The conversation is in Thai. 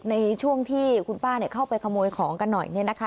ในช่วงที่คุณป้าเข้าไปขโมยของกันหน่อยเนี่ยนะคะ